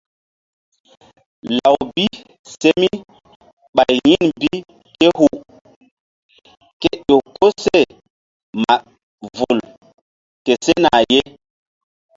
Law bi se mi ɓay yin bi ké hu ke ƴo koseh ma vul ke sena ye.